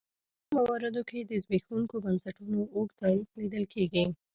په ټولو مواردو کې د زبېښونکو بنسټونو اوږد تاریخ لیدل کېږي.